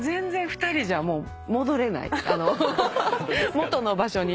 元の場所に。